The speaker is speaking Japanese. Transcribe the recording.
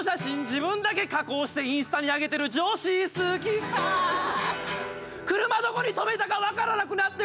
自分だけ加工してインスタに上げてる女子好き」「車どこに止めたかわからなくなって」